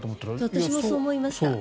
私もそう思いました。